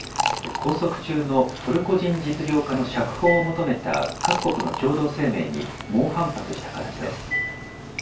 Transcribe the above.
拘束中のトルコ人実業家の釈放を求めた各国の共同声明に猛反発した形です。